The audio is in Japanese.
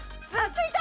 ついた！